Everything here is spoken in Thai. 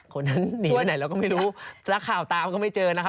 คนนั้นหนีไปไหนเราก็ไม่รู้สักข่าวตามก็ไม่เจอนะครับ